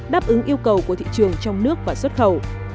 đáp ứng yêu cầu của thị trường trong nước và xuất khẩu